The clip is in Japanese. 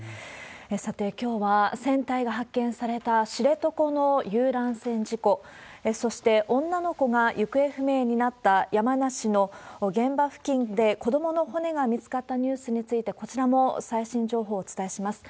さて、きょうは船体が発見された知床の遊覧船事故、そして、女の子が行方不明になった山梨の現場付近で、子どもの骨が見つかったニュースについて、こちらも最新情報をお伝えします。